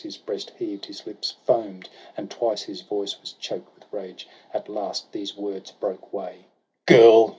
His breast heaved, his lips foam'd, and twice his voice Was choked with rage; at last these words broke way :—' Girl